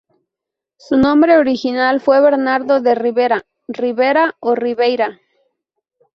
Su nombre original fue Bernardo de Rivera, Ribera o Ribeira.